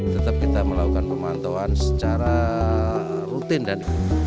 tetap kita melakukan pemantauan secara rutin dan